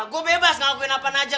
gue bebas ngakuin apaan aja